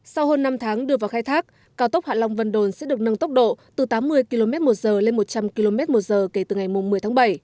sau hơn năm tháng đưa vào khai thác cao tốc hạ long vân đồn sẽ được nâng tốc độ từ tám mươi km một giờ lên một trăm linh km một giờ kể từ ngày một mươi tháng bảy